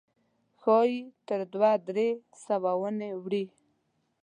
ښایي تر دوه درې سوه وانه وړي.